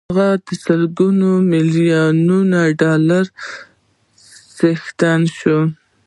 هغه د سلګونه ميليونه ډالرو څښتن شو.